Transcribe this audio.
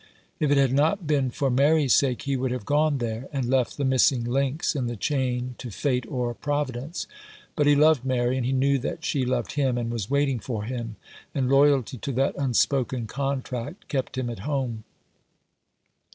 If it had not been for Mary's sake he would have gone there, and left the missing links in the chain to Fate or Provi dence ; but he loved Mary, and he knew that she loved him, and was waiting for him, and loyalty to that unspoken contract kept him at home.